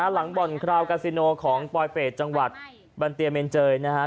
หลังบ่อนคราวกาซิโนของปลอยเปสจังหวัดบันเตียเมนเจยนะฮะ